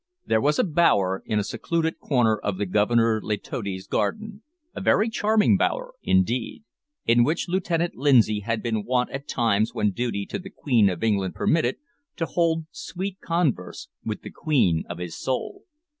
There was a bower in a secluded corner of the Governor Letotti's garden, a very charming bower indeed, in which Lieutenant Lindsay had been wont at times when duty to the Queen of England permitted, to hold sweet converse with the "queen of his soul."